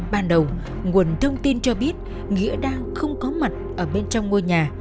ban đầu nguồn thông tin cho biết nghĩa đang không có mặt ở bên trong ngôi nhà